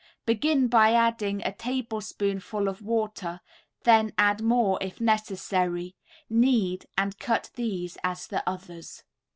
Begin by adding a tablespoonful of water, then add more if necessary, knead and cut these as the others.